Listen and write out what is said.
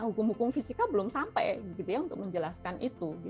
hukum hukum fisika belum sampai untuk menjelaskan itu